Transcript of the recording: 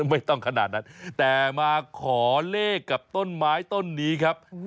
ไม่ต้องขนาดนั้นแต่มาขอเลขกับต้นไม้ต้นนี้ครับ